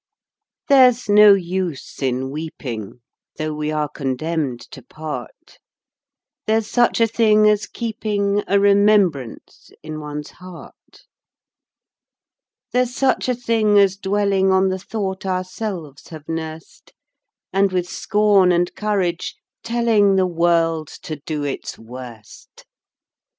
There's no use in weeping, Though we are condemned to part: There's such a thing as keeping A remembrance in one's heart: There's such a thing as dwelling On the thought ourselves have nursed, And with scorn and courage telling The world to do its worst.